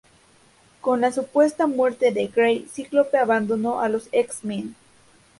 Con la supuesta muerte de Grey, Cíclope abandonó a los X-Men.